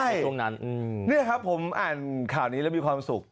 ใช่นี่ครับผมอ่านข่าวนี้แล้วมีความสุข